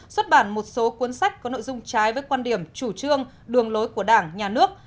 xuất bản một số cuốn sách có nội dung trái với quan điểm chủ trương đường lối của đảng nhà nước